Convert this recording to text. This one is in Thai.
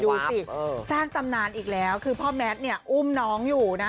ดูสิตั้งตำนานอีกแล้วคือกี้ป้อบแม็ต์เนี่ยอุ้มน้องอยู่นะ